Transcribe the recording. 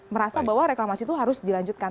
merasa bahwa reklamasi itu harus dilanjutkan